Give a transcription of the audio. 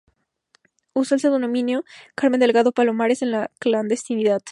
Usó el seudónimo Carmen Delgado Palomares en la clandestinidad.